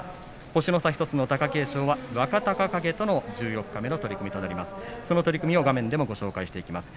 星の差１つの貴景勝は若隆景との十四日目の取組となります。